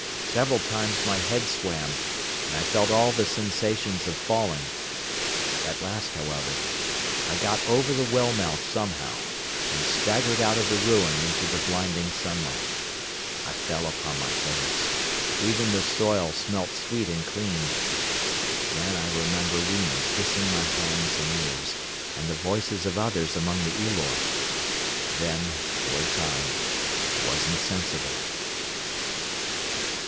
Several times my head swam, and I felt all the sensations of falling. At last, however, I got over the well mouth somehow, and staggered out of the ruin into the blinding sunlight. I fell upon my face. Even the soil smelt sweet and clean. Then I remember Weena kissing my hands and ears, and the voices of others among the Eloi. Then, for a time, I was insensible.